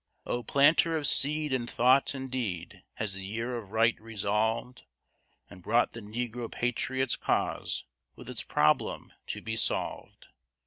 Oh, Planter of seed in thought and deed has the year of right revolved, And brought the Negro patriot's cause with its problem to be solved?